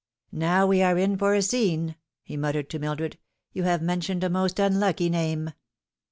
" Now we are in for a scene," he muttered to Mildred. "You have mentioned a most unlucky name."